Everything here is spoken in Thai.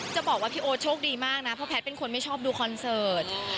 จะบอกว่าพี่โอ๊ตโชคดีมากนะเพราะแพทย์เป็นคนไม่ชอบดูคอนเสิร์ต